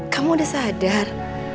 kamu udah sadar